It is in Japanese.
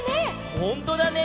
ほんとだね。